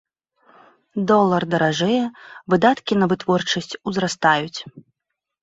Долар даражэе, выдаткі на вытворчасць узрастаюць.